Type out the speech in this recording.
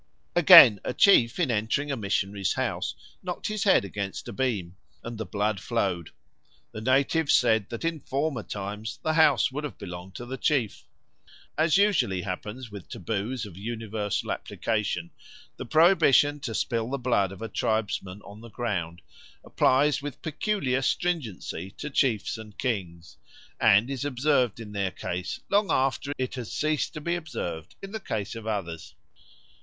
Again, a chief in entering a missionary's house knocked his head against a beam, and the blood flowed. The natives said that in former times the house would have belonged to the chief. As usually happens with taboos of universal application, the prohibition to spill the blood of a tribesman on the ground applies with peculiar stringency to chiefs and kings, and is observed in their case long after it has ceased to be observed in the case of others.